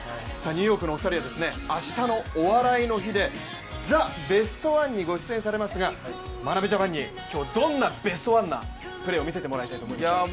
ニューヨークのお二人は明日の「お笑いの日」で「ザ・ベストワン」にご出演されますが、眞鍋ジャパンに今日はどんなベストワンなプレーを見せてもらいたいと思いますか。